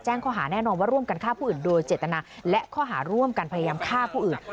ข้อหาแน่นอนว่าร่วมกันฆ่าผู้อื่นโดยเจตนาและข้อหาร่วมกันพยายามฆ่าผู้อื่น